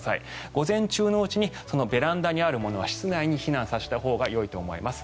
午前中のうちにベランダにあるものは室内に避難させたほうがよいと思います。